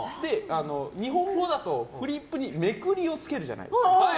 日本語だと、フリップにめくりをつけるじゃないですか。